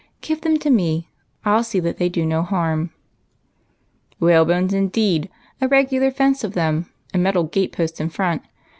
Give them to me. I'll see that they do no harm." " Whalebones indeed ! A regular fence of them, and nK^tal gate posts in front.